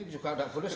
ini juga tidak boleh